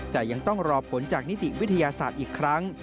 แต่ยังต้องรอผลจากนิติวิทยาศาสตร์อีกครั้ง